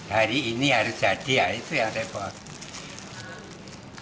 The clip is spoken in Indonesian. hari ini harus jadi ya itu yang repot